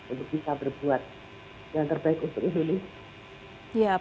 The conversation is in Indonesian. untuk bisa berbuat yang terbaik untuk indonesia